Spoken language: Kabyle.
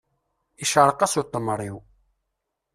Iceṛeq-as utemṛiw.